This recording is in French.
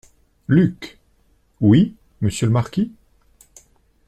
Luc - Oui , monsieur le marquis.